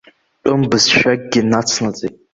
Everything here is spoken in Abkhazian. Тәым бызшәакгьы нацнаҵеит.